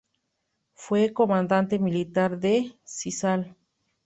Fue comandante militar de Sisal.